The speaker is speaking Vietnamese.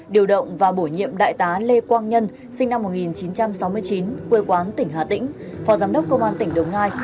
điều động và bổ nhiệm đại tá lê quang nhân sinh năm một nghìn chín trăm sáu mươi chín quê quán tỉnh hà tĩnh phó giám đốc công an tỉnh đồng nai